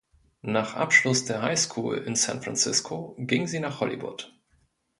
Nach Abschluss der High School in San Francisco ging sie nach Hollywood.